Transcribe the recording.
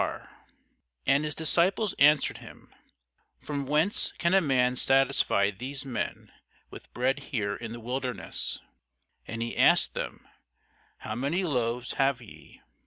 [Sidenote: St. Mark 8] And his disciples answered him, From whence can a man satisfy these men with bread here in the wilderness? And he asked them, How many loaves have ye?